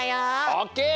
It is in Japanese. オッケー！